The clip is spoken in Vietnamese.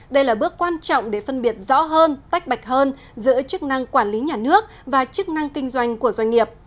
đây là bước quan trọng để phân biệt rõ hơn tách bạch hơn giữa chức năng quản lý nhà nước và chức năng kinh doanh của doanh nghiệp